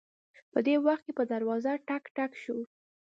په دې وخت کې په دروازه ټک ټک شو